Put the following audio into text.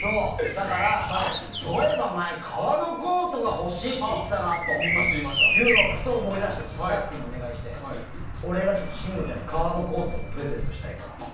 だから、そういえば前に革のコートが欲しいって言ってたのをふと思い出してスタッフにお願いして俺が信五ちゃんに革のコートをプレゼントしたいからと。